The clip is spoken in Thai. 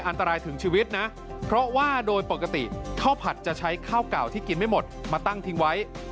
อันตรายถึงชีวิตนะนะเพราะว่าโดยปกติ